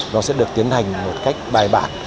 nó sẽ được tiến hành một cách bài bản